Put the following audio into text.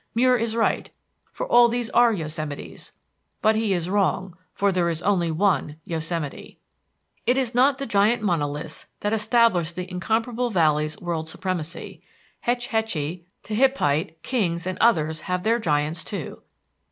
Muir is right, for all these are Yosemites; but he is wrong, for there is only one Yosemite. It is not the giant monoliths that establish the incomparable Valley's world supremacy; Hetch Hetchy, Tehipite, Kings, and others have their giants, too.